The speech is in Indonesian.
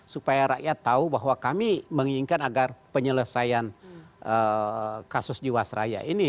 supaya rakyat tahu bahwa kami menginginkan agar penyelesaian kasus jiwasraya ini